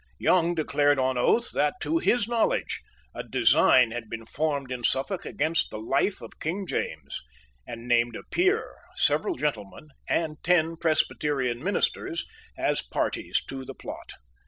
Young declared on oath that, to his knowledge, a design had been formed in Suffolk against the life of King James, and named a peer, several gentlemen, and ten Presbyterian ministers, as parties to the plot.